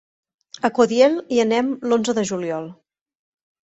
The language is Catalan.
A Caudiel hi anem l'onze de juliol.